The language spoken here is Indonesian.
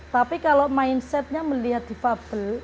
tapi kalau mindsetnya melihat di fabel